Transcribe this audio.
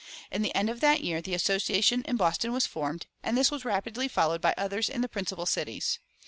In the end of that year the Association in Boston was formed, and this was rapidly followed by others in the principal cities.